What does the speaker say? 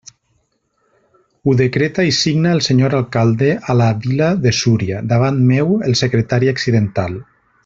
Ho decreta i signa el senyor Alcalde a la vila de Súria, davant meu, el secretari accidental.